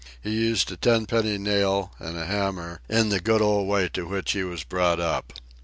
He used a tenpenny nail and a hammer in the good old way to which he was brought up.